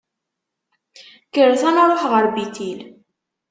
Kkret ad nṛuḥ ɣer Bitil.